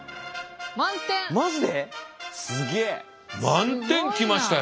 満点来ましたよ。